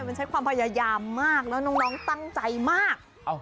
มันใช้ความพยายามมากแล้วน้องตั้งใจมาก